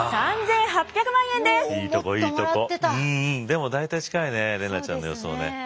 でも大体近いね怜奈ちゃんの予想ね。